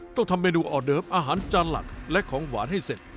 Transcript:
ต้องทำเมนูออเดิฟอาหารจานหลักและของหวานให้เสร็จ